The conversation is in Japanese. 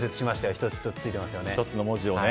１つ１つ付いていますよね。